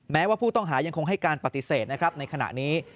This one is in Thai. แม้ว่าผู้ต้องหายังคงให้การปฏิเสธนะครับในขณะนี้